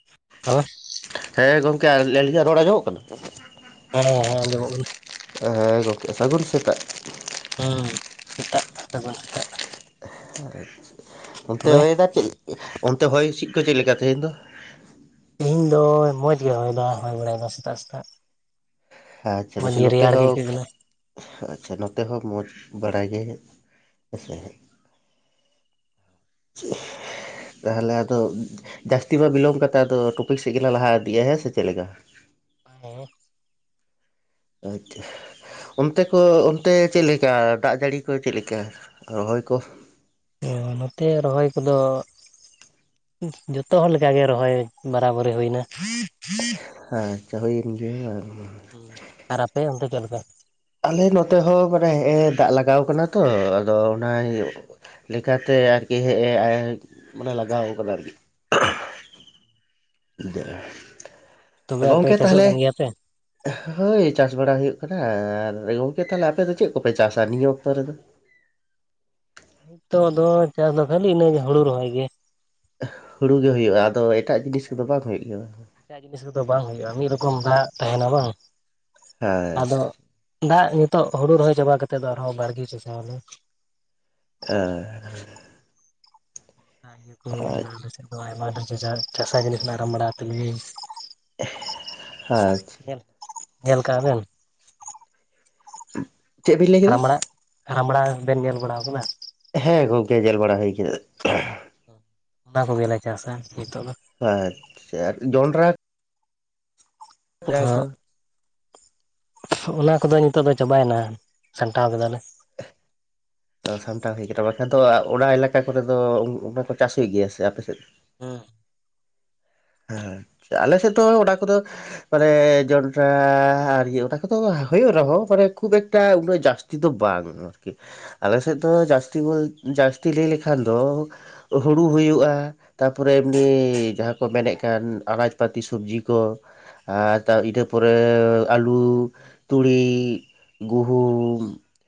[unintelligible] ᱦᱮᱸ ᱜᱚᱝᱠᱮ ᱟᱞᱤᱝᱟᱜ ᱨᱚᱲ ᱟᱡᱚᱢᱚᱜ ᱠᱟᱱᱟ? ᱦᱮᱸ ᱦᱮᱸ ᱟᱡᱚᱢᱚᱜ ᱠᱟᱱᱟ᱾ ᱮᱸ ᱜᱚᱢᱠᱮ ᱥᱟᱹᱜᱩᱱ ᱥᱮᱛᱟᱜ᱾ ᱦᱮᱸ ᱥᱮᱛᱟᱜ ᱥᱟᱹᱜᱩᱱ ᱥᱮᱛᱟᱜ᱾ ᱚᱱᱛᱮ ᱛᱚᱵᱮ ᱦᱚᱭ ᱮᱫᱟ ᱪᱮᱫ ᱚᱱᱛᱮ ᱦᱚᱭ ᱦᱤᱸᱥᱤᱫ ᱠᱚ ᱪᱮᱫ ᱞᱮᱠᱟ ᱛᱮᱦᱮᱧ ᱫᱚ? ᱛᱮᱦᱮᱧ ᱫᱚ ᱢᱚᱡ ᱜᱮ ᱦᱚᱭ ᱫᱟ ᱦᱚᱭ ᱵᱟᱲᱟᱭ ᱫᱚ ᱥᱮᱛᱟᱜ ᱥᱮᱛᱟᱜ᱾ ᱟᱪᱪᱷᱟ ᱵᱮᱥ ᱢᱚᱸᱡᱽ ᱜᱮ ᱱᱚᱛᱮ ᱨᱮᱭᱟᱲ ᱜᱮ ᱦᱚᱸ ᱟᱹᱭᱠᱟᱹᱜ ᱠᱟᱱᱟ ᱟᱪᱪᱷᱟ ᱱᱚᱛᱮ ᱦᱚᱸ ᱢᱚᱡᱽ ᱵᱟᱲᱟ ᱜᱮ ᱦᱮᱸᱥᱮ [inaudible] ᱛᱟᱦᱚᱞᱮ ᱟᱫᱚ ᱡᱟᱹᱥᱛᱤ ᱵᱟᱝ ᱵᱤᱞᱚᱢ ᱠᱟᱛᱮᱫ ᱟᱫᱚ ᱴᱚᱯᱤᱠ ᱥᱮᱫ ᱜᱮᱞᱟᱝ ᱞᱟᱦᱟ ᱤᱫᱤᱜᱼᱟ ᱦᱮᱸ ᱥᱮ ᱪᱮᱫ ᱞᱮᱠᱟ ᱚ ᱟᱪᱪᱷᱟ ᱚᱱᱛᱮ ᱠᱚ ᱚᱱᱛᱮ ᱪᱮᱫ ᱞᱮᱠᱟ ᱫᱟᱜ ᱡᱟᱹᱲᱤ ᱠᱚ ᱪᱮᱫ ᱞᱮᱠᱟ ᱨᱚᱦᱚᱭ ᱠᱚ? ᱛᱚ ᱱᱚᱛᱮ ᱨᱚᱦᱚᱭ ᱠᱚᱫᱚ ᱡᱚᱛᱚ ᱦᱚᱲ ᱞᱮᱠᱟ ᱜᱮ ᱨᱚᱦᱚᱭ ᱵᱟᱨᱟᱵᱟᱨᱤ ᱦᱩᱭᱮᱱᱟ ᱟᱪᱪᱷᱟ ᱦᱩᱭᱮᱱ ᱜᱮ ᱟᱨ ᱟᱨ ᱟᱯᱮ ᱚᱱᱛᱮ ᱪᱮᱫ ᱞᱮᱠᱟ? ᱟᱞᱮ ᱱᱚᱛᱮ ᱦᱚᱸ ᱢᱟᱱᱮ ᱫᱟᱜ ᱞᱟᱜᱟᱣ ᱠᱟᱱᱟ ᱛᱚ ᱟᱫᱚ ᱚᱱᱟ ᱞᱮᱠᱟᱛᱮ ᱟᱨᱠᱤ ᱦᱮᱼᱮ ᱢᱟᱱᱮ ᱞᱟᱜᱟᱣ ᱟᱠᱟᱫᱟ ᱟᱨᱠᱤ ᱛᱚᱵᱮ ᱟᱯᱮ ᱜᱚᱢᱠᱮ ᱪᱟᱥᱚᱜ ᱛᱟᱦᱚᱞᱮ ᱠᱟᱱ ᱜᱮᱭᱟ ᱯᱮ ᱦᱳᱭ ᱪᱟᱥ ᱵᱟᱲᱟ ᱦᱩᱭᱩᱜ ᱠᱟᱱᱟ ᱟᱨ ᱜᱚᱝᱠᱮ ᱛᱟᱦᱚᱞᱮ ᱟᱯᱮ ᱫᱚ ᱪᱮᱫ ᱠᱚᱯᱮ ᱪᱟᱥᱟ ᱱᱤᱭᱟᱹ ᱚᱠᱛᱚ ᱨᱮᱫᱚ? ᱱᱤᱛᱚᱜ ᱫᱚ ᱪᱟᱥ ᱫᱚ ᱠᱷᱟᱹᱞᱤ ᱤᱱᱟᱹᱜᱮ ᱦᱩᱲᱩ ᱨᱚᱦᱚᱭ ᱜᱮ ᱦᱩᱲᱩ ᱜᱮ ᱦᱩᱭᱩᱜᱼᱟ ᱟᱫᱚ ᱮᱴᱟᱜ ᱡᱤᱱᱤᱥ ᱠᱚᱫᱚ ᱵᱟᱝ ᱦᱩᱭᱩᱜ ᱜᱮᱭᱟ? ᱮᱟᱜ ᱡᱤᱱᱤᱥ ᱠᱚᱫᱚ ᱵᱟᱝ ᱦᱩᱭᱩᱜᱼᱟ ᱢᱤᱫ ᱨᱚᱠᱚᱢ ᱫᱟᱜ ᱛᱟᱦᱮᱱᱟ ᱵᱟᱝ, ᱦᱮᱸ ᱟᱫᱚ ᱫᱟᱜ ᱱᱤᱛᱚᱜ ᱦᱩᱲᱩ ᱨᱚᱦᱚᱭ ᱪᱟᱵᱟ ᱠᱟᱛᱮᱫ ᱫᱚ ᱟᱨᱦᱚᱸ ᱵᱟᱲᱜᱮ ᱪᱟᱥᱟ ᱟᱞᱮ ᱟᱨ ᱤᱭᱟᱹ ᱠᱚ ᱟᱪᱪᱷᱟ ᱢᱮᱱᱟᱜᱼᱟ ᱟᱞᱮ ᱥᱮᱫ ᱫᱚ ᱟᱭᱢᱟ [unintelligible] ᱪᱟᱥᱼᱟ ᱡᱤᱱᱤᱥ ᱠᱚ ᱨᱟᱢᱵᱽᱲᱟ ᱛᱤᱞᱢᱤᱧ [inaudible] ᱟᱪᱪᱷᱟ [inaudible] ᱧᱮᱞ ᱧᱮᱞ ᱠᱟᱜᱼᱟ ᱵᱮᱱ? ᱪᱮᱫ ᱵᱤᱱ ᱞᱟᱹᱭ ᱠᱮᱫᱟ? ᱨᱟᱢᱲᱟ ᱨᱟᱢᱲᱟ ᱵᱮᱱ ᱧᱮᱞ ᱵᱟᱲᱟᱣ ᱟᱠᱟᱫᱟ? ᱦᱮᱸ ᱜᱚᱝᱠᱮ ᱧᱮᱞ ᱵᱟᱲᱟ ᱦᱩᱭ ᱠᱟᱱᱟ ᱚᱱᱟ ᱠᱚ ᱜᱮᱞᱮ ᱪᱟᱥᱟ ᱱᱤᱛᱚᱜ ᱫᱚ᱾ ᱟᱪᱪᱷᱟ, ᱟᱨ ᱡᱚᱱᱰᱨᱟ ᱚᱲᱟᱭ ᱠᱚ ᱚᱱᱟ ᱠᱚᱫᱚ ᱱᱤᱛᱳᱜ ᱫᱚ ᱪᱟᱵᱟᱭᱱᱟ ᱥᱟᱢᱴᱟᱣ ᱠᱮᱫᱟᱞᱮ᱾ ᱥᱟᱢᱴᱟᱣ ᱦᱩᱭ ᱠᱟᱱᱟ ᱵᱟᱠᱷᱟᱱ ᱫᱚ ᱚᱱᱟ ᱮᱞᱟᱠᱟ ᱠᱚᱨᱮ ᱫᱚ ᱚᱱᱟ ᱠᱚ ᱪᱟᱥ ᱦᱩᱭᱩᱜ ᱜᱮᱭᱟ ᱥᱮ ᱟᱯᱮ ᱥᱮᱫ? ᱦᱩᱸ ᱦᱮᱸ ᱟᱞᱮ ᱥᱮᱫ ᱫᱚ ᱚᱱᱟ ᱠᱚᱫᱚ ᱢᱟᱱᱮ ᱡᱚᱱᱰᱨᱟ ᱟᱨ ᱤᱭᱟᱹ ᱚᱱᱟ ᱠᱚᱫᱚ ᱦᱩᱭᱩᱜ ᱨᱮᱦᱚᱸ ᱢᱟᱱᱮ ᱠᱷᱩᱵ ᱮᱠᱴᱟ ᱩᱱᱟᱹᱜ ᱡᱟᱹᱥᱛᱤ ᱫᱚ ᱵᱟᱝ᱾ ᱟᱨᱠᱤ ᱟᱞᱮ ᱥᱮᱫ ᱫᱚ ᱡᱟᱹᱥᱛᱤ ᱵᱚᱞ ᱡᱟᱹᱥᱛᱤ ᱞᱟᱹᱭ ᱞᱮᱠᱷᱟᱱ ᱫᱚ, ᱦᱩᱲᱩ ᱦᱩᱭᱩᱜᱼᱟ ᱛᱟᱯᱚᱨᱮ ᱮᱢᱱᱤ ᱡᱟᱦᱟᱸ ᱠᱚ ᱢᱮᱱᱮᱫ ᱠᱟᱱ ᱟᱱᱟᱡᱽ ᱯᱟᱹᱛᱤ ᱥᱚᱵᱡᱤ ᱠᱚ ᱟᱨ ᱤᱱᱟᱹ ᱯᱚᱨᱮ ᱟᱹᱞᱩ, ᱛᱩᱲᱤ ᱜᱩᱦᱩᱢ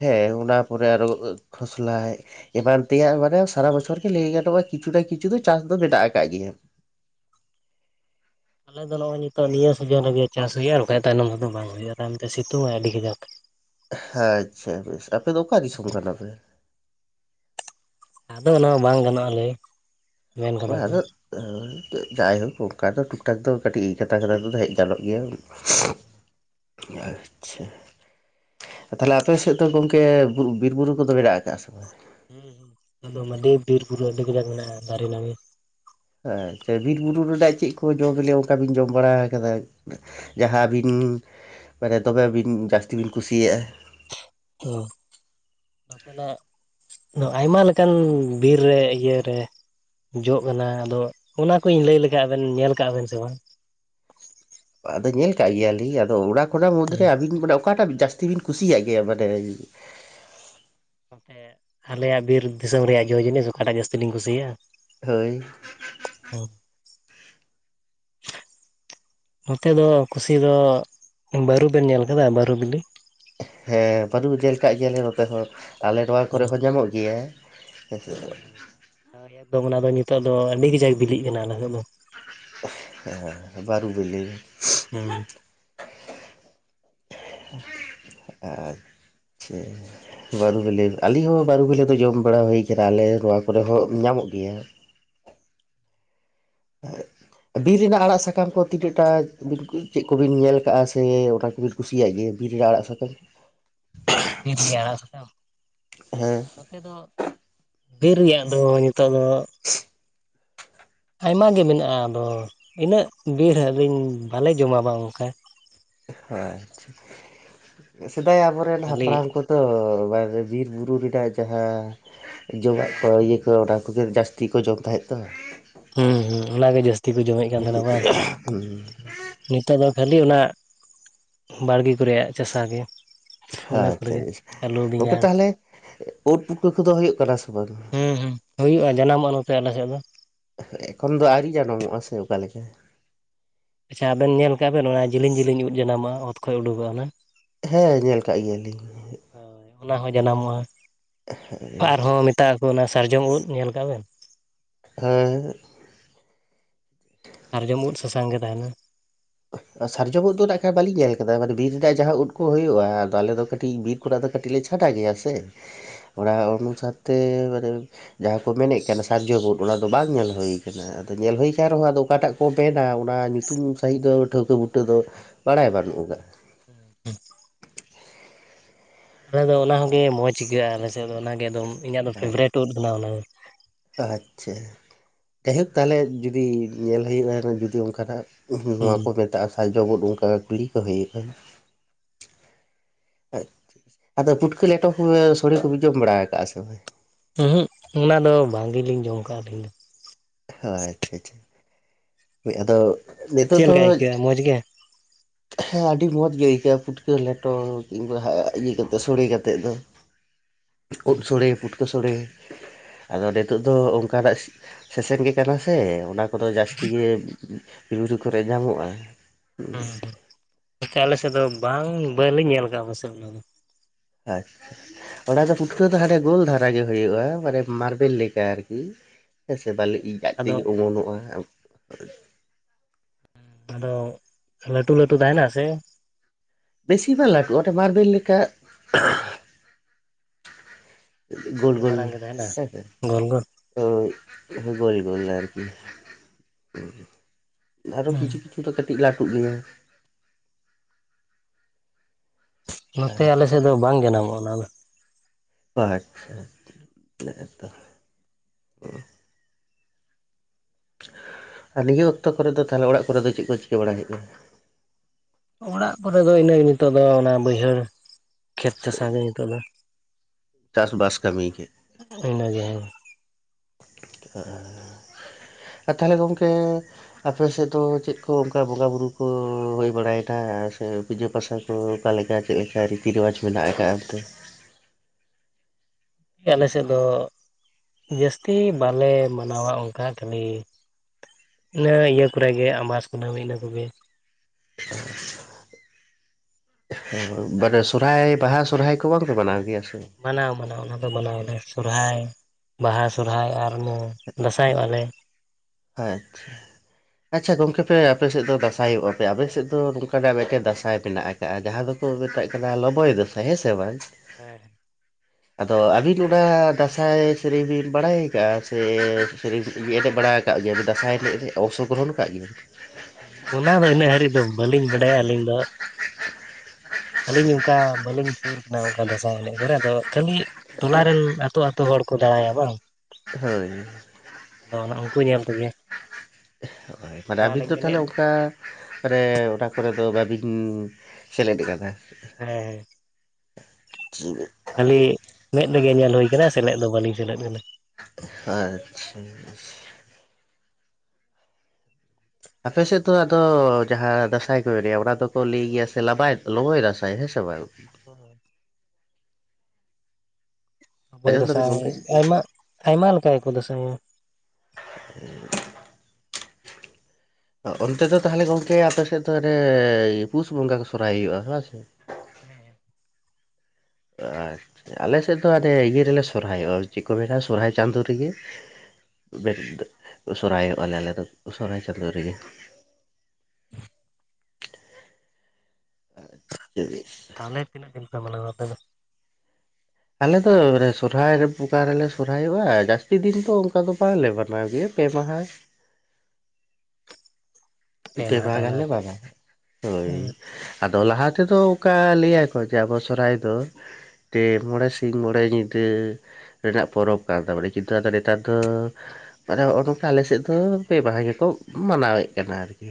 ᱦᱮᱸ ᱚᱱᱟ ᱯᱚᱨᱮ ᱟᱨᱚ ᱠᱷᱚᱥᱞᱟᱭ ᱮᱢᱟᱱ ᱛᱮᱭᱟᱜ ᱢᱟᱱᱮ ᱥᱟᱨᱟ ᱵᱚᱪᱷᱚᱨ ᱜᱮ ᱞᱟᱹᱭ ᱜᱟᱱᱚᱜᱼᱟ ᱠᱤᱪᱷᱩᱱᱟ ᱠᱤᱪᱷᱩ ᱫᱚ ᱪᱟᱥ ᱫᱚ ᱢᱮᱱᱟᱜ ᱟᱠᱟᱫ ᱜᱮᱭᱟ᱾ ᱟᱞᱮ ᱫᱚ ᱱᱚᱜᱼᱚᱭ ᱱᱤᱛᱚᱜ ᱱᱤᱭᱟᱹ ᱥᱤᱡᱚᱱ ᱨᱮᱜᱮ ᱪᱟᱥ ᱦᱩᱭᱩᱜᱼᱟ ᱟᱨ ᱵᱟᱠᱷᱟᱡ ᱛᱟᱭᱱᱚᱢ ᱛᱮᱫᱚ ᱵᱟᱝ ᱦᱩᱭᱩᱜᱼᱟ ᱛᱟᱭᱚᱢ ᱛᱮ ᱥᱤᱛᱩᱝ ᱟᱭ ᱟᱹᱰᱤ ᱠᱟᱡᱟᱠ᱾ ᱟᱪᱪᱷᱟ ᱵᱮᱥ ᱟᱯᱮ ᱫᱚ ᱚᱠᱟ ᱫᱤᱥᱚᱢ ᱠᱟᱱᱟ ᱯᱮ? ᱟᱫᱚ ᱚᱱᱟ ᱢᱟ ᱵᱟᱝ ᱜᱟᱱᱚᱜᱼᱟ ᱞᱟᱹᱭ᱾ ᱢᱮᱱ ᱠᱟᱫᱟ ᱚᱱᱟ ᱠᱚ ᱟᱫᱚ ᱡᱟᱭᱦᱳᱠ ᱚᱱᱠᱟ ᱫᱚ ᱴᱩᱠ ᱴᱟᱠ ᱫᱚ ᱠᱟᱹᱴᱤᱡ ᱠᱟᱛᱷᱟ ᱠᱟᱛᱷᱟ ᱛᱮᱫᱚ ᱦᱮᱡ ᱜᱟᱱᱚᱜ ᱜᱮᱭᱟ᱾ ᱟᱪᱪᱷᱟ ᱛᱟᱦᱚᱞᱮ ᱟᱯᱮ ᱥᱮᱫ ᱫᱚ ᱜᱚᱝᱠᱮ ᱵᱤᱨ ᱵᱩᱨᱩ ᱠᱚᱫᱚ ᱢᱮᱱᱟᱜ ᱟᱠᱟᱜᱼᱟ ᱥᱮ ᱵᱟᱝ? ᱦᱮᱸ ᱟᱫᱚᱢ ᱵᱤᱨ ᱵᱩᱨᱩ ᱟᱹᱰᱤ ᱠᱟᱡᱟᱠ ᱢᱮᱱᱟᱜᱼᱟ ᱫᱟᱨᱮ ᱱᱟᱹᱲᱤ ᱟᱪᱪᱷᱟ ᱵᱤᱨ ᱵᱩᱨᱩ ᱨᱮᱱᱟᱜ ᱪᱮᱫ ᱠᱚ ᱡᱚ ᱵᱤᱞᱤ ᱚᱱᱠᱟ ᱵᱤᱱ ᱡᱚᱢ ᱵᱟᱲᱟ ᱠᱟᱫᱟ? ᱡᱟᱦᱟᱸ ᱟᱹᱵᱤᱱ ᱢᱟᱱᱮ ᱫᱚᱢᱮ ᱵᱤᱱ ᱡᱟᱹᱥᱛᱤ ᱵᱤᱱ ᱠᱩᱥᱤᱭᱟᱜᱼᱟ᱾ ᱚ ᱱᱚᱛᱮᱱᱟᱜ ᱱᱚᱣᱟ ᱟᱭᱢᱟ ᱞᱮᱠᱟᱱ ᱵᱤᱨ ᱨᱮ ᱤᱭᱟᱹᱨᱮ᱾ ᱡᱚᱜ ᱠᱟᱱᱟ ᱟᱫᱚ ᱚᱱᱟ ᱠᱚᱧ ᱞᱟᱹᱭ ᱞᱮᱠᱷᱟᱡ ᱥᱵᱮᱱ ᱧᱮᱞ ᱠᱟᱜ ᱵᱮᱱ ᱥᱮ ᱵᱟᱝ? ᱟᱫᱚ ᱧᱮᱞ ᱠᱟᱜ ᱜᱮᱭᱟᱞᱤᱧ ᱟᱫᱚ ᱚᱱᱟ ᱠᱷᱚᱱᱟᱜ ᱢᱩᱫᱽᱨᱮ ᱦᱮᱸ ᱟᱹᱵᱤᱱ ᱢᱟᱱᱮ ᱚᱠᱟᱴᱟᱜ ᱡᱟᱹᱥ ᱛᱤ ᱵᱤᱱ ᱠᱩᱥᱤᱭᱟᱜ ᱜᱮᱭᱟ ᱢᱟᱱᱮ᱾ ᱱᱚᱛᱮ ᱟᱞᱮᱭᱟᱜ ᱵᱤᱨ ᱫᱤᱥᱚᱢ ᱨᱮᱭᱟᱜ ᱡᱚ ᱡᱤᱱᱤᱥ ᱚᱠᱟᱴᱟᱜ ᱡᱟᱹᱥᱛᱤ ᱞᱤᱧ ᱠᱩᱥᱤᱭᱟᱜᱼᱟ? ᱦᱳᱭ [inaudible] ᱱᱚᱛᱮ ᱫᱚ ᱠᱩᱥᱤ ᱫᱚ ᱵᱟᱹᱨᱩ ᱵᱮᱱ ᱧᱮᱞ ᱠᱟᱫᱟ ᱵᱟᱹᱨᱩ ᱵᱤᱞᱤ? ᱦᱮᱸ ᱵᱟᱹᱨᱩ ᱧᱮᱞ ᱠᱟᱜ ᱜᱮᱭᱟᱞᱮ ᱱᱚᱛᱮ ᱦᱚᱸ ᱟᱞᱮ ᱱᱚᱣᱭᱟ ᱦᱮᱸ ᱠᱚᱨᱮᱜ ᱦᱚᱸ ᱧᱟᱢᱚᱜ ᱜᱮᱭᱟ᱾ [inaudible] [unintelligible] ᱱᱤᱛᱳ ᱫᱚ ᱟᱹᱰᱤ ᱠᱟᱡᱟᱠ ᱵᱤᱞᱤᱜ ᱠᱟᱱᱟ᱾ ᱦᱮᱸ ᱵᱟᱨᱩ ᱵᱮᱞᱮ᱾ ᱦᱮᱸ ᱟᱪᱪᱷᱟ ᱵᱟᱹᱨᱩ ᱵᱮᱤᱞᱤ ᱟᱞᱤᱧ ᱦᱚᱸ ᱵᱟᱹᱨᱩ ᱵᱮᱤᱞᱤ ᱫᱚ ᱡᱚᱢ ᱵᱟᱲᱟ ᱦᱩᱭ ᱠᱟᱱᱟ ᱟᱞᱮ ᱱᱚᱣᱟ ᱠᱚᱨᱮ ᱦᱚᱸ ᱧᱟᱢᱚᱜ ᱜᱮᱭᱟ᱾ ᱵᱤᱨ ᱨᱮᱱᱟᱜ ᱟᱲᱟᱜ ᱥᱟᱠᱟᱢ ᱠᱚ ᱛᱤᱱᱟᱹᱜᱴᱟ ᱪᱮᱫ ᱠᱚᱵᱤᱱ ᱧᱮᱞ ᱟᱠᱟᱫᱼᱟ ᱥᱮ ᱚᱱᱟ ᱠᱚᱵᱤᱱ ᱠᱩᱥᱤᱭᱟᱜ ᱜᱮᱭᱟ ᱵᱤᱨ ᱨᱮ ᱟᱲᱟᱜ ᱥᱟᱠᱟᱢ? ᱫᱤᱱ ᱜᱮ ᱟᱲᱟᱜ ᱥᱟᱠᱟᱢ? ᱦᱮᱸ ᱟᱯᱮ ᱫᱚ ᱵᱤᱨ ᱨᱮᱭᱟᱜ ᱫᱚ ᱱᱤᱛᱚᱜ ᱫᱚ, ᱟᱭᱢᱟ ᱜᱮ ᱢᱮᱱᱟᱜᱼᱟ ᱟᱫᱚ ᱤᱱᱟᱹᱜ ᱵᱷᱤᱲ ᱦᱚᱞᱤᱧ ᱵᱟᱞᱮ ᱡᱚᱢᱟ ᱚᱱᱠᱟ᱾ ᱟᱪᱪᱷᱟ ᱥᱮᱫᱟᱭ ᱟᱵᱚᱨᱮᱱ ᱠᱷᱟᱹᱞᱤ ᱦᱟᱯᱲᱟᱢ ᱠᱚ ᱛᱚ ᱵᱟᱝ ᱵᱤᱨ ᱵᱩᱨᱩ ᱨᱮᱱᱟᱜ ᱡᱟᱦᱟᱸ ᱡᱚᱢᱟᱜ ᱦᱮᱸ ᱠᱚ ᱤᱭᱟᱹ ᱠᱚ ᱚᱱᱟ ᱠᱚᱜᱮ ᱡᱟᱹᱥᱛᱤ ᱠᱚ ᱡᱚᱢ ᱛᱟᱦᱮᱸᱫ ᱛᱚ᱾ ᱦᱩᱸ ᱦᱩᱸ ᱚᱱᱟᱜᱮ ᱡᱟᱹᱥᱛᱤ ᱠᱚ ᱡᱚᱢᱮᱫ ᱠᱟᱱ ᱛᱟᱦᱮᱱᱟ ᱵᱟᱝ ᱱᱤᱛᱚᱜ ᱫᱚ ᱠᱷᱟᱹᱞᱤ ᱚᱱᱟ ᱵᱟᱲᱜᱮ ᱠᱚᱨᱮ ᱭᱟᱜ ᱪᱟᱥᱟᱟᱜ ᱜᱮ᱾ ᱚᱱᱟ ᱟᱪᱪᱷᱟ ᱠᱚᱨᱮᱜᱮ ᱵᱮᱥ ᱟᱹᱞᱩ ᱜᱚᱝᱠᱮ ᱵᱮᱸᱜᱟᱲ ᱛᱟᱦᱚᱞᱮ ᱩᱫ ᱯᱩᱴᱠᱟᱹ ᱠᱚᱫᱚ ᱦᱩᱭᱩᱜ ᱠᱟᱱᱟ ᱥᱮ ᱵᱟᱝ? ᱦᱩᱭᱩᱜᱼᱟ ᱡᱟᱱᱟᱢᱚᱜᱼᱟ ᱱᱚᱛᱮ ᱟᱞᱮᱥᱮᱫ ᱫᱚ᱾ ᱮᱠᱷᱚᱱ ᱫᱚ ᱟᱹᱣᱨᱤ ᱡᱟᱱᱟᱢᱚᱜᱼᱟ ᱥᱮ ᱚᱠᱟᱮᱠᱟ? ᱟᱪᱪᱷᱟ ᱟᱵᱮᱱ ᱧᱮᱞ ᱠᱟᱜ ᱵᱮᱱ ᱚᱱᱟ ᱡᱤᱞᱤᱧ ᱡᱤᱞᱤᱧ ᱩᱫ ᱡᱟᱱᱟᱢᱚᱜᱼᱟ ᱚᱛ ᱠᱷᱚᱡ ᱩᱰᱠᱚᱜᱚ-ᱟ? ᱦᱮᱸ ᱧᱮᱞ ᱠᱟᱜ ᱜᱮᱭᱟᱞᱤᱧ᱾ ᱚᱱᱟ ᱦᱚᱸ ᱡᱟᱱᱟᱢᱚᱜᱼᱟ ᱟᱨᱦᱚᱸ ᱢᱮᱛᱟᱜ ᱟᱠᱚ ᱚᱱᱟ ᱥᱟᱨᱡᱚᱢ ᱩᱫ ᱧᱮᱞ ᱠᱟᱜ ᱵᱮᱱ? ᱦᱮᱸ ᱥᱟᱨᱡᱚᱢ ᱡᱢᱫ ᱥᱟᱥᱟᱝ ᱜᱮ ᱛᱟᱦᱮᱱᱟ᱾ ᱥᱟᱨᱡᱚᱢ ᱩᱫ ᱫᱚ ᱱᱟᱜ ᱠᱷᱟᱱ ᱵᱟᱞᱤᱧ ᱧᱮᱞ ᱟᱠᱟᱫᱟ ᱢᱟᱱᱮ ᱵᱤᱨ ᱨᱮᱱᱟᱜ ᱡᱟᱦᱟᱸᱟ ᱩᱫ ᱠᱚ ᱦᱩᱭᱩᱜᱼᱟ ᱟᱫᱚ ᱟᱞᱮ ᱫᱚ ᱠᱟᱹᱴᱤᱡ ᱵᱤᱨ ᱠᱷᱚᱲᱟ ᱫᱚ ᱠᱟᱹᱴᱤᱡ ᱞᱮ ᱪᱷᱟᱰᱟᱟᱜ ᱜᱮᱭᱟ ᱥᱮ ᱚᱱᱟ ᱚᱱᱩᱥᱟᱨ ᱛᱮ ᱢᱟᱱᱮ ᱡᱟᱦᱟᱸ ᱠᱚ ᱢᱮᱱᱮᱫ ᱠᱟᱱᱟ ᱥᱟᱨᱡᱚᱢ ᱩᱫ ᱚᱱᱟ ᱫᱚ ᱵᱟᱝ ᱧᱮᱞ ᱦᱩᱭ ᱠᱟᱱᱟ᱾ ᱟᱫᱚ ᱧᱮᱞ ᱦᱩᱭ ᱟᱠᱟᱱ ᱨᱮᱦᱚᱸ ᱟᱫᱚ ᱚᱠᱟᱴᱟᱜ ᱠᱚ ᱢᱮᱱᱟ ᱚᱱᱟ ᱧᱩᱛᱩᱢ ᱥᱟᱺᱦᱤᱡ ᱫᱚ ᱴᱷᱟᱹᱣᱠᱟᱹ ᱵᱩᱴᱟᱹ ᱫᱚ ᱵᱟᱲᱟᱭ ᱵᱟᱹᱱᱩᱜ ᱟᱠᱟᱫᱟ᱾ [inaudible] ᱟᱞᱮ ᱫᱚ ᱚᱱᱟ ᱦᱚᱸ ᱜᱮ ᱢᱚᱡᱽ ᱟᱹᱭᱠᱟᱹᱜᱼᱟ ᱟᱞᱮᱥᱮᱫ ᱫᱚ ᱚᱱᱟᱜᱮ ᱮᱠᱫᱚᱢ ᱤᱧᱟᱹᱜ ᱫᱚ ᱟᱠᱟᱫᱼᱟ ᱯᱷᱮᱵᱟᱨᱮᱴ ᱩᱫ ᱠᱟᱱᱟ ᱚᱱᱟᱱᱟᱜ᱾ ᱟᱪᱪᱷᱟ ᱡᱟᱭᱦᱳᱠ ᱛᱟᱦᱚᱞᱮ ᱡᱩᱫᱤ ᱧᱮᱞ ᱦᱩᱭᱩᱜᱼᱟ ᱛᱟᱦᱮᱱᱟ ᱡᱩᱫᱤ ᱚᱱᱠᱟᱱᱟᱜ ᱱᱚᱣᱟ ᱦᱩᱸ ᱠᱚ ᱢᱮᱛᱟᱜᱼᱟ ᱥᱟᱨᱡᱚᱢ ᱩᱪ ᱚᱱᱠᱟ ᱠᱩᱤᱞᱤ ᱠᱚ ᱦᱩᱭ ᱟᱠᱟᱱᱟ᱾ ᱟᱫᱚ ᱯᱩᱴᱠᱟᱹ ᱞᱮᱴᱚ ᱠᱚ ᱥᱚᱲᱮ ᱠᱚᱵ ᱡᱚᱢ ᱵᱟᱲᱟ ᱟᱠᱟ-ᱟ ᱥᱮ ᱵᱟᱝ? ᱩᱸ ᱦᱩᱸᱦᱚᱱᱟ ᱫᱚ ᱵᱟᱝ ᱜᱮᱮᱞᱤᱧ ᱡᱚᱢ ᱠᱟᱜᱼᱟ ᱟᱹᱞᱤᱧ ᱫᱚ᱾ ᱦᱸ ᱟᱪᱪᱷᱟ ᱟᱪᱪᱷᱟ ᱦᱳᱭ ᱟᱫᱚ ᱱᱤᱛᱚᱜ ᱪᱮᱫ ᱫᱚ ᱞᱮᱠᱟ ᱟᱹᱭᱠᱟᱹᱜᱼᱟ ᱢᱚᱡᱽ ᱜᱮ? ᱦᱮᱸ ᱟᱹᱰᱤ ᱢᱚᱸᱡᱽ ᱜᱮ ᱟᱹᱭᱠᱟᱹᱜᱼᱟ ᱯᱷᱩᱴᱠᱟᱹ ᱞᱮᱴᱚ ᱠᱤᱢᱵᱟ ᱤᱭᱟᱹ ᱠᱟᱛᱮ ᱥᱳᱚᱲᱮ ᱠᱟᱛᱮᱫ ᱫᱚ᱾ ᱯᱩᱴᱠᱟᱹ ᱩᱫ ᱥᱳᱲᱮ ᱯᱩᱴ ᱛᱩ ᱥᱳᱲᱮ ᱟᱫᱚ ᱱᱤᱛᱳ ᱫᱚ ᱚᱱᱠᱟᱱᱟᱜ ᱥᱮᱥᱝ ᱜᱮ ᱠᱟᱱᱟ ᱥᱮ ᱚᱱᱟ ᱠᱚᱫᱚ ᱡᱟᱹᱥᱛᱤ ᱜᱮ ᱵᱤᱨ ᱵᱩᱨᱩ ᱠᱚᱨᱮ ᱧᱟᱢᱚᱜᱼᱟ᱾ ᱦᱩᱸ [unintelligible] ᱟᱞᱮᱥᱮᱫ ᱫᱚ ᱵᱟᱝ ᱵᱟᱹᱞᱤᱧ ᱧᱮᱞ ᱟᱠᱟᱼᱟ ᱯᱟᱥᱮ ᱩᱱᱟᱹᱜ ᱫᱚ ᱾ ᱟᱪᱪᱷᱟ ᱚᱱᱟ ᱫᱚ ᱯᱩᱴᱠᱟᱹ ᱫᱚ ᱦᱟᱸᱰᱮ ᱜᱳᱞ ᱫᱷᱟᱨᱟ ᱜᱮ ᱦᱩᱭᱩᱜᱼᱟ ᱢᱟᱱᱮ ᱢᱟᱨᱵᱮᱞ ᱞᱮᱠᱟ ᱟᱨᱠᱤ ᱾ ᱦᱮᱸ ᱥᱮ ᱵᱟᱞᱮ ᱤᱡ ᱟᱡ ᱟᱫᱚ ᱛᱮᱜᱮ ᱚᱢᱚᱱᱚᱜᱼᱟ ᱟᱫᱚ ᱞᱟᱹᱴᱩ ᱞᱟᱹᱴᱩ ᱛᱟᱦᱮᱱᱟ ᱥᱮ ᱾ ᱵᱮᱥᱤ ᱵᱟᱝ ᱞᱟᱹᱴᱩᱜ ᱚᱱᱮ ᱢᱟᱨᱵᱮᱞ ᱞᱮᱠᱟ ᱾ ᱜᱳᱞ ᱛᱤᱱᱟᱹᱜ ᱜᱳᱞ ᱢᱟᱨᱟᱝ ᱜᱮ ᱛᱟᱦᱮᱱᱟ ᱦᱮᱸ ᱥᱮ ᱜᱳᱞ ᱜᱳᱞ ᱚ ᱜᱳᱞ ᱜᱳᱞ ᱟᱨᱠᱤ ᱟᱨᱚ ᱠᱤᱪᱷᱩ ᱠᱤᱪᱷᱩ ᱫᱚ ᱠᱟᱹᱴᱤᱡ ᱞᱟᱹᱴᱩᱜ ᱜᱮᱭᱟ ᱾ ᱱᱚᱛᱮ ᱟᱞᱮ ᱥᱮ ᱫᱚ ᱵᱟᱝ ᱡᱟᱱᱟᱢᱚᱜᱼᱟ ᱚᱱᱟ ᱫᱚ ᱾ ᱟᱪᱪᱷᱟ ᱟᱪᱪᱷᱟ ᱛᱚ [unintelligible] ᱟᱨ ᱱᱤᱡ ᱚᱠᱛᱚ ᱠᱚᱨᱮ ᱫᱚ ᱛᱟᱞᱞᱮ ᱚᱲᱟᱜ ᱠᱚᱨᱮ ᱫᱚ ᱪᱮᱫ ᱠᱚ ᱪᱤᱠᱟᱹ ᱵᱟᱲᱟᱭᱮᱫᱼᱟ? ᱚᱲᱟᱜ ᱠᱚᱨᱮ ᱫᱚ ᱤᱱᱟᱹᱜᱮ ᱱᱤᱛᱚᱜ ᱫᱚ ᱚᱱᱟ ᱵᱟᱹᱭᱦᱟᱹᱲ ᱠᱷᱮᱛ ᱪᱟᱥᱟ ᱜᱮ ᱱᱤᱛᱚᱜ ᱫᱚ᱾ ᱪᱟᱥᱵᱟᱥ ᱠᱟᱹᱢᱤ ᱜᱮ ᱾ ᱤᱱᱟᱹᱜᱮ ᱦᱮᱸ ᱾ ᱟᱸ ᱟᱨ ᱛᱟᱦᱚᱞᱮ ᱜᱚᱢᱠᱮ ᱟᱯᱮᱥᱮᱫ ᱫᱚ ᱪᱮᱫ ᱠᱚ ᱚᱱᱠᱟ ᱵᱚᱸᱜᱟ ᱵᱩᱨᱩ ᱠᱚ ᱦᱩᱭ ᱵᱟᱲᱟᱭᱮᱱᱟ ᱥᱮ ᱯᱩᱡᱟᱹ ᱯᱟᱥᱟ? ᱚ ᱚᱠᱟᱞᱮᱠᱟ ᱪᱮᱫ ᱞᱮᱠᱟ ᱨᱤᱛᱤ ᱨᱮᱣᱟᱡᱽ ᱢᱮᱱᱟᱜ ᱟᱠᱟᱫ ᱚᱱᱛᱮ? ᱟᱞᱮᱥᱮᱫ ᱫᱚ ᱡᱟᱹᱥᱛᱤ ᱵᱟᱞᱮ ᱢᱟᱱᱟᱣᱟ ᱚᱱᱠᱟ ᱠᱷᱟᱹᱞᱤ ᱤᱱᱟᱹ ᱤᱭᱟᱹ ᱠᱚᱨᱮᱜᱮ ᱟᱢᱵᱟᱥ ᱠᱩᱱᱟᱹᱢᱤ ᱤᱱᱟᱹ ᱠᱚᱜᱮ [unintelligible] ᱮ ᱟᱨ [unintelligible] ᱥᱚᱨᱦᱟᱭ ᱵᱟᱦᱟ ᱥᱚᱨᱚᱦᱟᱭ ᱠᱚ ᱵᱟᱝ ᱠᱚ ᱢᱟᱱᱟᱣ ᱜᱮᱭᱟ ᱥᱮ? ᱢᱟᱱᱟᱣ ᱢᱟᱱᱟᱣ ᱚᱱᱟᱫᱚ ᱢᱟᱱᱟᱣ ᱟᱞᱮ ᱥᱚᱨᱦᱟᱭ ᱵᱟᱦᱟ ᱥᱚᱨᱚᱦᱟᱭ ᱟᱨ ᱱᱟᱹ ᱫᱟᱸᱥᱟᱭᱚᱜᱼᱟᱞᱮ ᱾ ᱟᱪᱪᱷᱟ ᱾ ᱟᱪᱪᱷᱟ ᱜᱚᱝᱠᱮ ᱯᱮ ᱟᱯᱮ ᱥᱮᱫ ᱫᱚ ᱫᱟᱥᱟᱸᱟᱭᱚᱜᱼᱟ ᱯᱮ ᱟᱯᱮ ᱥᱮᱫ ᱫᱚ ᱱᱚᱝᱠᱟᱱᱟᱜ ᱢᱤᱫᱴᱮᱱ ᱫᱟᱸᱥᱟᱭ ᱢᱮᱱᱟᱜᱼᱟ᱾ ᱟᱜ ᱡᱟᱦᱟᱸ ᱫᱚᱠᱚ ᱢᱮᱛᱟᱜ ᱠᱟᱱᱟ ᱞᱚᱵᱚᱭ ᱫᱟᱸᱥᱟᱭ ᱦᱮᱸᱥᱮ ᱵᱟᱝ ᱦᱮᱸ ᱟᱫᱚ ᱟᱹᱞᱤᱧ ᱚᱱᱟ ᱫᱟᱸᱥᱟᱭ ᱥᱮᱨᱮᱧ ᱞᱤᱱ ᱵᱟᱲᱟᱭ ᱠᱟᱜᱼᱟ ᱥᱮ ᱥᱮᱨᱮᱧ ᱮᱱᱮᱡ ᱵᱟᱲᱟ ᱠᱟᱜᱼᱟ᱾ ᱠᱟᱜ ᱜᱮᱭᱟ ᱫᱟᱥᱟᱸᱟᱭ ᱮᱱᱮᱡ ᱨᱮ ᱚᱝᱥᱚᱚᱜᱨᱚᱦᱚᱱ ᱠᱟᱜ ᱜᱮᱭᱟ᱾ ᱚᱱᱟ ᱫᱚ ᱤᱱᱟᱹᱜ ᱦᱟᱹᱨᱤᱡ ᱫᱚ ᱵᱟᱹᱞᱤᱧ ᱵᱟᱰᱟᱭᱟ ᱟᱹᱞᱤᱧ ᱫᱚ ᱾ ᱟᱹᱞᱤᱧ ᱚᱱᱠᱟ ᱵᱟᱹᱞᱤᱧ ᱦᱩᱸ ᱚᱱᱮ ᱚᱱᱠᱟ ᱫᱟᱸᱥᱟᱭ ᱮᱱᱮᱡ ᱠᱚᱨᱮ ᱟᱫᱚ ᱠᱷᱟᱹᱞᱤ ᱴᱚᱞᱟ ᱨᱮᱱ ᱟᱹᱛᱩ ᱟᱹᱛᱩ ᱦᱚᱲ ᱠᱚ ᱫᱟᱬᱟᱭᱟ ᱵᱟᱝ? ᱦᱳᱭ᱾ ᱟᱫᱚ ᱚᱱᱟ ᱩᱱᱠᱩ ᱧᱮᱞ ᱛᱮᱜᱮ ᱦᱳᱭ ᱢᱟᱱᱮ ᱛᱷᱚᱲᱟ ᱟᱹᱵᱤᱱ ᱞᱤᱧ ᱫᱚ ᱛᱟᱦᱚᱞᱮ ᱮᱱᱮᱡ ᱚᱱᱠᱟ ᱨᱮ ᱚᱱᱟ ᱠᱚᱨᱮ ᱫᱚ ᱵᱟᱵᱤᱱ ᱥᱮᱞᱮᱫ ᱠᱟᱫᱟ ᱾ ᱦᱮᱸᱻ [inaudible] ᱠᱷᱟᱹᱞᱤ ᱢᱮᱫ ᱨᱮᱜᱮ ᱧᱮᱞ ᱦᱩᱭ ᱟᱠᱟᱱᱟ ᱥᱮᱞᱮᱫ ᱫᱚ ᱵᱟᱹᱞᱤᱧ ᱥᱮᱞᱮᱫ ᱠᱟᱱᱟ᱾ ᱟᱪᱪᱷᱟ ᱟᱯᱮ ᱥᱮᱫ ᱫᱚ ᱟᱫᱚ ᱡᱟᱦᱟᱸ ᱫᱟᱸᱥᱟᱭ ᱠᱚ ᱮᱱᱮᱡᱟ ᱚᱱᱟ ᱫᱚᱠᱚ ᱞᱟᱹᱭ ᱜᱮᱭᱟ ᱥᱮ ᱞᱟᱵᱟᱭ ᱞᱚᱵᱚᱭ ᱫᱟᱸᱥᱟᱭ ᱦᱮᱸᱥᱮ ᱵᱟᱝ? ᱚ ᱦᱮᱸ ᱚᱠᱚᱭ ᱟᱸᱡᱚᱢ ᱫᱟᱵᱤᱱ ᱫᱟᱸᱥᱟᱭ ᱜᱚᱝᱠᱮ? ᱟᱭᱢᱟ ᱟᱭᱢᱟ ᱞᱮᱠᱟ ᱜᱮᱠᱚ ᱫᱟᱸᱥᱟᱭᱟ ᱾ [unintelligible] ᱚᱱᱛᱮ ᱫᱚ ᱛᱟᱦᱚᱞᱮ ᱜᱚᱝᱠᱮ ᱟᱯᱮ ᱥᱮᱫ ᱫᱚ ᱚᱱᱮ ᱯᱩᱥ ᱵᱚᱸᱜᱟ ᱠᱚ ᱥᱚᱨᱦᱟᱭ ᱦᱩᱭᱩᱜᱼᱟ ᱦᱮᱸ ᱥᱮ? ᱦᱮᱸ ᱟᱪᱷᱟ ᱟᱞᱮᱥᱮ ᱫᱚ ᱟᱱᱮ ᱤᱭᱟᱹ ᱨᱮᱞᱮ ᱥᱚᱨᱚᱦᱟᱭᱚᱜᱼᱟ ᱪᱮᱫ ᱠᱚ ᱢᱮᱱᱟ ᱥᱚᱨᱚᱦᱟᱭ ᱪᱟᱸᱫ ᱨᱮᱜᱮ [unintelligible] ᱥᱚᱨᱚᱦᱟᱭᱚᱜ ᱟᱞᱮ ᱫᱚ ᱥᱚᱦᱟᱭ ᱪᱟᱸᱫᱳ ᱨᱮᱜᱮ ᱾ [unintelligible] ᱛᱟᱦᱚᱞᱮ ᱛᱱᱟᱹᱜ ᱫᱤᱱ ᱯᱮ ᱢᱮᱣᱟ ᱟᱯᱮᱫᱚ ᱟᱞᱮᱫᱚ ᱥᱚᱨᱦᱟᱭ ᱨᱮ ᱵᱚᱸᱠᱟ ᱨᱮᱞᱮ ᱥᱚᱨᱦᱟᱭᱚᱜᱼᱟ ᱡᱟᱹᱥᱛᱤ ᱫᱤᱱ ᱫᱚ ᱚᱱᱠᱟ ᱫᱚ ᱵᱟᱝᱞᱮ ᱢᱟᱱᱟᱣ ᱜᱮᱭᱟ ᱾ ᱯᱮ ᱢᱟᱦᱟ ᱯᱮ ᱢᱟᱦᱟ ᱛᱟᱦᱮᱱᱟ ᱜᱟᱱ ᱞᱮ ᱟᱯᱮᱭᱟᱜ ᱢᱟᱱᱟᱣ ᱦᱳᱭ ᱟᱫᱚ ᱞᱟᱦᱟ ᱛᱮᱫᱚ ᱚᱱᱠᱟ ᱞᱟᱹᱭ ᱟᱠᱚ ᱡᱮ ᱟᱵᱚ ᱥᱚᱦᱨᱟᱭ ᱫᱚ ᱛᱮ ᱢᱚᱬᱮ ᱥᱤᱧ ᱢᱚᱬᱮ ᱧᱤᱫᱟᱹ ᱨᱮᱱᱟᱜ ᱯᱚᱨᱚᱵᱽ ᱠᱟᱱ ᱛᱟᱵᱚᱱᱟ ᱠᱤᱱᱛᱩ ᱟᱫᱚ ᱱᱮᱛᱟᱨ ᱫᱚ ᱢᱟᱱᱮ ᱱᱚᱜᱼ ᱱᱚᱝᱠᱟ ᱟᱞᱮ ᱥᱮᱫ ᱫᱚ ᱯᱮ ᱢᱟᱦᱟ ᱜᱮᱠᱚ ᱢᱟᱱᱟᱣᱮᱫ ᱠᱟᱱᱟ ᱟᱨ ᱠᱤ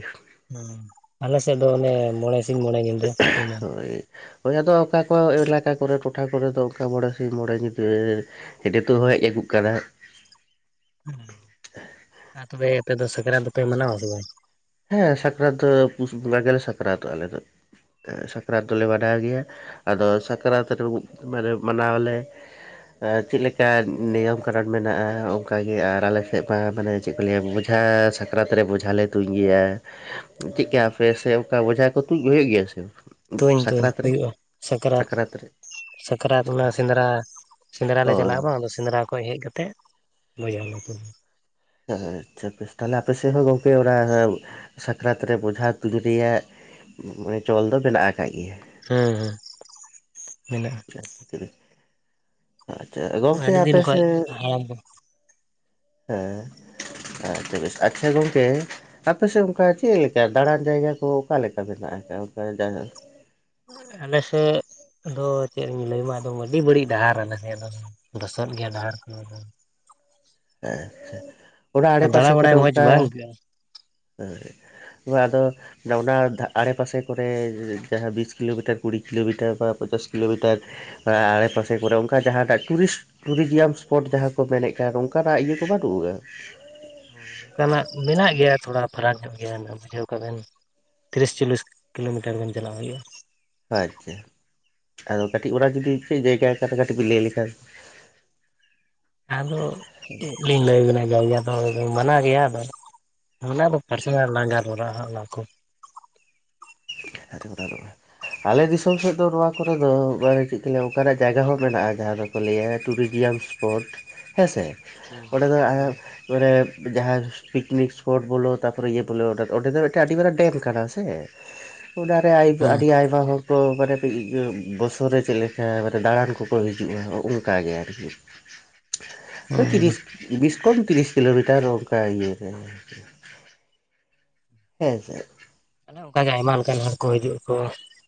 ᱦᱩᱸ ᱟᱞᱮ ᱥᱮᱫ ᱫᱚ ᱚᱱᱮ ᱢᱚᱬᱮ ᱥᱤᱧ ᱢᱚᱬᱮ ᱜᱮ ᱦᱳᱭ ᱦᱳᱭ ᱟᱫᱚ ᱚᱠᱟ ᱠᱚ ᱮᱞᱟᱠᱟ ᱠᱚᱨᱮ ᱠᱚ ᱴᱚᱴᱷᱟ ᱠᱚᱨᱮ ᱫᱚ ᱚᱱᱠᱟ ᱢᱚᱬᱮ ᱥᱤᱧ ᱢᱚᱬᱮ ᱧᱤᱫᱟᱹ ᱦᱮᱰᱮᱛᱚᱜ ᱛᱮᱦᱚᱸ ᱦᱮᱡ ᱟᱹᱜᱩᱜ ᱠᱟᱱᱟ ᱟᱨ ᱛᱚᱵᱮ ᱟᱯᱮ ᱫᱚ ᱥᱟᱠᱨᱟᱛ ᱫᱚᱯᱮ ᱢᱟᱱᱟᱣᱟ ᱥᱮ ᱵᱟᱝ ᱦᱮᱸ ᱥᱟᱠᱨᱟᱛ ᱫᱚ ᱯᱩᱥ ᱵᱚᱸᱜᱟ ᱜᱮᱞᱮ ᱥᱟᱠᱨᱟᱛᱚᱜ ᱟᱞᱮ ᱫᱚ ᱥᱟᱠᱨᱟᱛ ᱫᱚᱞᱮ ᱢᱟᱱᱟᱣ ᱜᱮᱭᱟ ᱟᱫᱚ ᱥᱟᱠᱨᱟᱛ ᱨᱮ ᱢᱟᱱᱮ ᱢᱟᱱᱟᱣᱟᱞᱮ ᱪᱮᱫᱞᱮᱠᱟ ᱱᱤᱭᱚᱢ ᱠᱟᱹᱱᱩᱱ ᱢᱮᱱᱟᱜᱼᱟ ᱚᱱᱠᱟ ᱜᱮ, ᱟᱨ ᱟᱞᱮ ᱥᱮᱫ ᱢᱟ ᱢᱟᱱᱮ ᱪᱮᱫ ᱠᱚ ᱞᱟᱹᱭᱟ ᱵᱳᱡᱷᱟ ᱥᱟᱠᱨᱟᱛ ᱨᱮ ᱵᱳᱡᱷᱟ ᱞᱮ ᱛᱩᱧ ᱜᱮᱭᱟ ᱪᱮᱫ ᱠᱟᱭᱯᱮ ᱥᱮ ᱚᱱᱠᱟ ᱵᱚᱡᱷᱟ ᱠᱚ ᱛᱩᱫ ᱦᱩᱭᱩᱜ ᱜᱮᱭᱟ ᱥᱮ ᱛᱩᱧ ᱛᱩᱧ ᱥᱟᱠᱨᱟᱛ ᱨᱮ ᱦᱩᱭᱩᱜᱼᱟ ᱥᱟᱠᱨᱟᱛ ᱥᱟᱠᱨᱟᱛ ᱚᱱᱟ ᱥᱮᱸᱫᱽᱨᱟ ᱥᱮᱸᱫᱽᱨᱟ ᱞᱮ ᱚ ᱪᱟᱞᱟᱜᱼᱟ ᱵᱟᱝᱼᱟ ᱥᱮᱸᱫᱽᱨᱟ ᱠᱷᱚᱱ ᱦᱮᱡ ᱠᱟᱛᱮ ᱵᱷᱮᱡᱟ ᱞᱮ ᱛᱩᱧᱟ ᱟᱪᱪᱷᱟ ᱵᱮᱥ ᱛᱟᱦᱞᱮ ᱟᱯᱮ ᱥᱮᱫ ᱦᱚᱸ ᱜᱚᱝᱠᱮ ᱚᱱᱟ ᱥᱟᱠᱨᱟᱛ ᱨᱮ ᱵᱷᱮᱡᱟ ᱛᱩᱧ ᱨᱮᱭᱟᱜ ᱜᱮ ᱪᱚᱞ ᱫᱚ ᱢᱮᱱᱟᱜ ᱟᱠᱟᱫ ᱜᱮᱭᱟ ᱦᱮᱸ ᱦᱮᱸ ᱢᱮᱱᱟᱜᱼᱟ ᱟᱪᱪᱷᱟ ᱜᱚᱝᱠᱮ ᱟᱹᱰᱤ ᱫᱤᱱ ᱟᱯᱮ ᱠᱷᱚᱡ ᱥᱮᱫ ᱦᱟᱲᱟᱢ ᱠᱚ ᱦᱮᱸ ᱟᱪᱪᱷᱟ ᱜᱚᱢᱠᱮ ᱟᱯᱮᱥᱮᱫ ᱚᱱᱠᱟ ᱪᱮᱫ ᱞᱮᱠᱟ ᱫᱟᱬᱟᱱ ᱡᱟᱭᱜᱟ ᱠᱚ ᱚᱠᱟ ᱞᱮᱠᱟ ᱢᱮᱱᱟᱜ ᱟᱠᱟᱫᱼᱟ ᱚᱱᱠᱟ ᱡᱟᱦᱟᱸ ᱟᱞᱮ ᱥᱮᱫ ᱫᱚ ᱪᱮᱫ ᱤᱧ ᱞᱟᱹᱭᱢᱟ ᱮᱠᱫᱚᱢ ᱟᱹᱰᱤ ᱵᱟᱹᱲᱤᱡ ᱰᱟᱦᱟᱨ ᱟᱞᱮ ᱥᱮᱫ ᱫᱚ ᱞᱚᱥᱚᱫ ᱜᱮᱭᱟ ᱰᱟᱦᱟᱨ ᱠᱚᱫᱚ ᱦᱮᱸᱪᱷᱟ ᱚᱱᱟ ᱟᱨ ᱫᱟᱬᱟ ᱟᱰᱮᱯᱟᱥᱮ ᱵᱟᱲᱟᱭ ᱠᱚᱨᱮ ᱢᱚᱡᱽ ᱚᱱᱠᱟ ᱵᱟᱝ ᱟᱹᱭᱠᱟᱹᱜᱼᱟ ᱦᱮ ᱟᱫᱚ ᱚᱱᱟ ᱟᱲᱮ ᱯᱟᱥᱮ ᱠᱚᱨᱮ ᱡᱟᱦᱟᱸ ᱵᱤᱥ ᱠᱤᱞᱳᱢᱤᱴᱟᱨ ᱠᱩᱲᱤ ᱠᱤᱞᱳᱢᱤᱴᱟᱨ ᱵᱟ ᱯᱚᱧᱪᱟᱥ ᱠᱤᱞᱳᱢᱤᱴᱟᱨ ᱟᱲᱮᱯᱟᱥᱮ ᱠᱚᱨᱮ ᱚᱱᱠᱟ ᱡᱟᱦᱟᱸᱴᱟᱜ ᱴᱩᱨᱤᱥᱴ ᱴᱩᱨᱤᱡᱭᱟᱢ ᱤᱥᱯᱚᱴ ᱡᱟᱦᱟᱸ ᱠᱚ ᱢᱮᱱᱮᱫ ᱠᱟᱱ ᱚᱱᱠᱟ᱾ ᱚᱱᱠᱟᱱᱟᱜ ᱤᱭᱟᱹ ᱠᱚ ᱵᱟᱝ ᱨᱩᱣᱟᱹᱜᱼᱟ ᱚᱱᱠᱟᱱᱟᱜ ᱢᱮᱱᱟᱜ ᱜᱮᱭᱟ ᱛᱷᱚᱲᱟ ᱯᱷᱟᱨᱟᱠ ᱧᱚᱜ ᱜᱮᱭᱟ ᱵᱩᱡᱷᱟᱹᱣ ᱠᱟᱜ ᱵᱤᱱ᱾ ᱛᱤᱨᱤᱥ ᱪᱚᱞᱞᱤᱥ ᱠᱤᱞᱚᱢᱤᱴᱟ. ᱨ ᱜᱟᱱ ᱪᱟᱞᱟᱜ ᱦᱩᱭᱩᱜᱼᱟ᱾ ᱟᱪᱪᱷᱟ ᱟᱫᱚ ᱠᱟᱹᱴᱤᱡ ᱚᱲᱟᱜ ᱡᱩᱫᱤ ᱪᱮᱫ ᱡᱟᱭᱜᱟ ᱠᱚ ᱠᱟᱹᱴᱤᱡ ᱵᱤᱱ ᱞᱟᱹᱭ ᱞᱮᱠᱷᱟᱱ ᱟᱫᱚ ᱪᱮᱫ ᱞᱤᱧ ᱞᱟᱹᱭ ᱟᱵᱤᱱᱟ ᱡᱟᱣᱭᱟ ᱫᱚ ᱢᱟᱱᱟᱣ ᱜᱮᱭᱟ ᱟᱫᱚ ᱚᱱᱟ ᱫᱚ ᱯᱟᱨᱥᱟᱱᱟᱞ ᱞᱟᱝ ᱜᱟᱞ ᱢᱟᱨᱟᱣᱜᱼᱟ ᱚᱱᱟ ᱠᱚ᱾ ᱟᱨ ᱠᱚ ᱫᱟᱨᱚᱜᱼᱟ ᱟᱞᱮ ᱫᱤᱥᱚᱢ ᱥᱮᱫ ᱫᱚ ᱱᱚᱣᱟ ᱠᱚᱨᱮ ᱫᱚ ᱚᱱᱠᱟᱱᱟᱜ ᱡᱟᱭᱜᱟ ᱦᱚᱸ ᱢᱮᱱᱟᱜᱼᱟ ᱡᱟᱦᱟᱸ ᱫᱚ᱾ ᱠᱚ ᱞᱟᱹᱭᱟ ᱴᱩᱨᱤᱡᱤᱭᱟᱢᱥ ᱯᱚᱨᱴ ᱦᱮᱸ ᱥᱮ᱾ ᱦᱩᱸ ᱚᱸᱰᱮ ᱫᱚ ᱦᱩᱸ ᱦᱟᱸᱜ ᱦᱮᱸ ᱡᱟᱦᱟᱸ ᱯᱤᱠᱱᱤᱠ ᱤᱥᱯᱚᱨᱴ ᱵᱚᱞᱚ ᱛᱟ ᱯᱚᱨᱮ ᱤᱭᱟᱹ ᱵᱚᱞᱚ ᱚᱸᱰᱮ ᱫᱚ ᱟᱹᱰᱤ ᱢᱟᱨᱟᱝ ᱰᱮᱢ ᱠᱟᱱᱟ ᱥᱮ᱾ ᱚᱱᱟ ᱨᱮ ᱟᱹᱭᱩᱵ ᱦᱩᱸ ᱟᱹᱰᱤ ᱟᱹᱭᱩᱵ ᱵᱟ. ᱦᱩ ᱠᱚ ᱢᱟᱱᱮ ᱳᱰᱤᱭᱟ. ᱵᱚᱨᱥᱚ ᱨᱮ ᱪᱮᱫ ᱞᱮᱠᱟ ᱢᱟᱱᱮ ᱫᱟᱬᱟᱱ ᱠᱚᱠᱚ ᱦᱤᱡᱩᱜᱼᱟ ᱚᱱᱠᱟ ᱜᱮ ᱟᱨ ᱠᱤ᱾ ᱦᱩᱸ ᱛᱤᱨᱤᱥ ᱵᱤᱥ ᱠᱚᱢ ᱛᱤᱨᱤᱥ ᱠᱤᱞᱳᱢᱤᱴᱟᱨ ᱚᱱᱠᱟ ᱤᱭᱟᱹ ᱨᱮ᱾ ᱦᱮᱸ ᱥᱮ᱾ ᱚᱱᱠᱟ ᱜᱮ ᱟᱭᱢᱟ ᱞᱮᱠᱟᱱ ᱦᱚᱲ ᱠᱚ ᱦᱤᱡᱩᱜ ᱠᱚ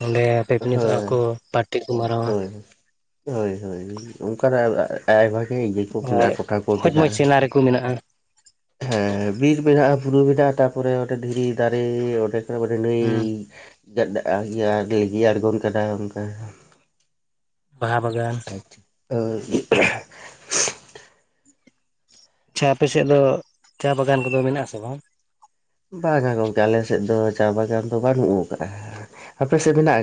ᱚᱸᱰᱮ ᱯᱤᱠᱱᱤᱠᱚᱜᱼᱟ ᱦᱳᱭ ᱠᱚ ᱯᱟᱴᱤ ᱠᱚ ᱢᱟᱨᱟᱣᱟ᱾ ᱦᱚᱭ ᱦᱚᱭ ᱚᱱᱠᱟᱱᱟᱜ ᱟᱭᱢᱟ ᱜᱮ ᱤᱭᱟᱹ ᱠᱚ ᱟᱨ ᱢᱮᱱᱟᱜᱼᱟ ᱴᱚᱴᱷᱟ ᱠᱚ ᱢᱚᱡᱽ ᱢᱚᱡᱽ ᱵᱢᱮᱱᱟᱜ-ᱟ᱾ ᱥᱤᱱᱟᱨᱤ ᱠᱚ ᱢᱮᱱᱟᱜᱼᱟ᱾ ᱦᱮᱸ ᱵᱤᱨ ᱢᱮᱱᱟᱜᱼᱟ ᱵᱩᱨᱩ ᱢᱮᱱᱟᱜᱼᱟ ᱛᱟᱨᱯᱚᱨᱮ ᱚᱸᱰᱮ ᱫᱷᱤᱨᱤ ᱫᱟᱨᱮ ᱚᱱᱰᱮ᱾ ᱛᱟ ᱯᱚᱨᱮ ᱱᱩᱭ ᱦᱮᱸ ᱫᱟᱜ ᱜᱮᱭᱟ ᱞᱤᱸᱜᱤ ᱟᱬᱜᱚᱱ ᱠᱟᱱᱟ ᱚᱱᱠᱟ᱾ ᱵᱟᱦᱟ ᱵᱟᱜᱟᱱ [inaudible] ᱟᱪᱪᱷᱟ ᱟᱯᱮᱥᱮᱫ ᱫᱚ ᱪᱟ ᱵᱟᱜᱟᱱ ᱠᱚᱫᱚ ᱢᱮᱱᱟᱜ ᱟᱥᱮ ᱵᱟᱝ ᱵᱟᱝᱟ ᱜᱚᱢᱠᱮ ᱟᱞᱮᱥᱮᱫ ᱫᱚ ᱪᱟ ᱵᱟᱜᱟᱱ ᱫᱚ ᱵᱟᱹᱱᱩᱜ ᱠᱟᱜᱼᱟ ᱟᱯᱮᱥᱮᱫ ᱢᱮᱱᱟᱜ